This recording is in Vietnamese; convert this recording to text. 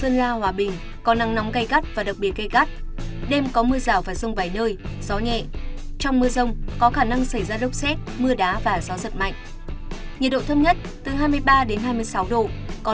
nhiệt độ thấp nhất từ hai mươi một đến hai mươi bốn độ